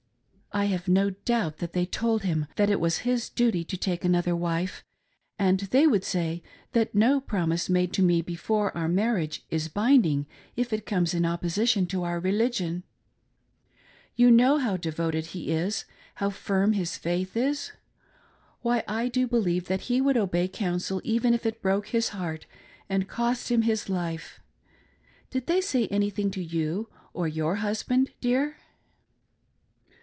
I have no doubt that they told him that it was his duty to take anothet wife, and they would say that no promise made to me before our marriage is binding if it comes in opposition to our religion. You know how devoted he is, how firm his faith is. Why, I do believe that he would obey Counsel even if it btoke his heart and cost him his lifcv Did they say anything to ydu or fmr husband, dear?"